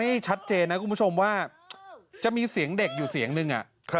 นี่ชัดเจนนะคุณผู้ชมว่าจะมีเสียงเด็กอยู่เสียงนึง